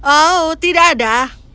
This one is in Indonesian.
oh tidak ada